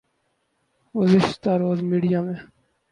گزشتہ روز میڈیا میں